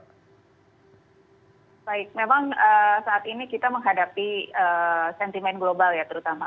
baik memang saat ini kita menghadapi sentimen global ya terutama